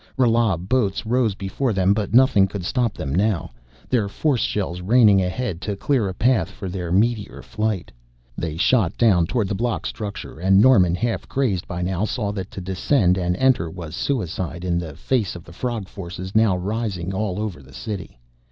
Rala boats rose before them, but nothing could stop them now, their force shells raining ahead to clear a path for their meteor flight. They shot down toward the block structure, and Norman, half crazed by now, saw that to descend and enter was suicide in the face of the frog forces rising now over all the city.